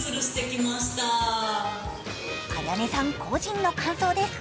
あやねさん個人の感想です。